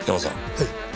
はい。